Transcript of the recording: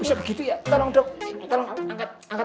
bisa begitu ya tolong dong